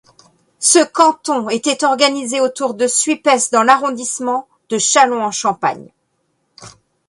Ce canton était organisé autour de Suippes dans l'arrondissement de Châlons-en-Champagne.